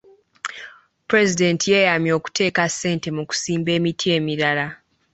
Pulezidenti yeeyamye okuteeka ssente mu kusimba emiti emirala.